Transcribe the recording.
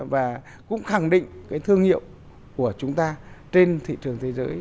và cũng khẳng định cái thương hiệu của chúng ta trên thị trường thế giới